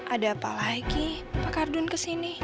ada apa lagi pak ardun kesini